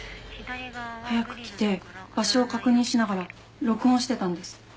早く来て場所を確認しながら録音してたんです。